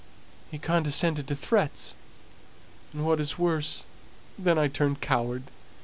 "He condescended to threats; and, what is worse, then I turned coward.